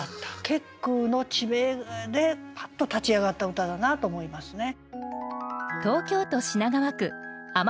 結句の地名でパッと立ち上がった歌だなと思いますね。